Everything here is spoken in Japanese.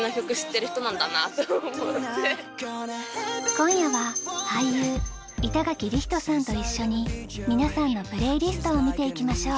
今夜は俳優板垣李光人さんと一緒に皆さんのプレイリストを見ていきましょう。